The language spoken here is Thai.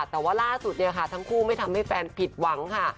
แต่ว่าล่าสุดเนี่ยค่ะทั้งคู่ไม่ทำให้แฟนผิดหวังค่ะ